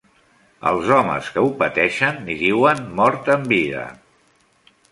Els homes que ho pateixen n'hi diuen "mort en vida".